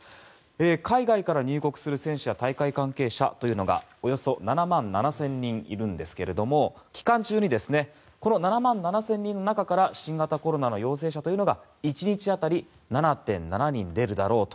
海外から入国する選手や大会関係者というのがおよそ７万７０００人いるんですが期間中にこの７万７０００人の中から新型コロナの陽性者というのが１日当たり７．７人出るだろうと。